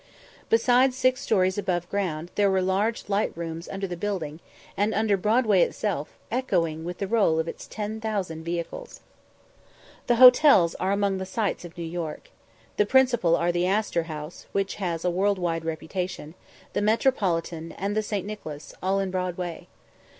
Besides six stories above ground, there were large light rooms under the building, and under Broadway itself, echoing with the roll of its 10,000 vehicles. The hotels are among the sights of New York. The principal are the Astor House (which has a world wide reputation), the Metropolitan, and the St. Nicholas, all in Broadway.